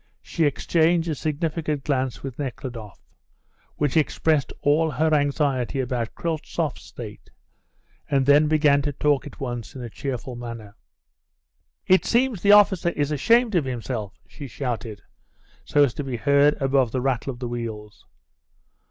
She exchanged a significant glance with Nekhludoff, which expressed all her anxiety about Kryltzoff's state, and then began to talk at once in a cheerful manner. "It seems the officer is ashamed of himself," she shouted, so as to be heard above the rattle of the wheels.